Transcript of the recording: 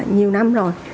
nhiều năm rồi